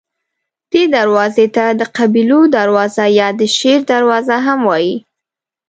دې دروازې ته د قبیلو دروازه یا د شیر دروازه هم وایي.